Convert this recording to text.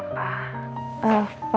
hormone kita dibaca